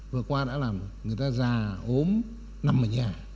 vừa qua đã làm người ta già ốm nằm ở nhà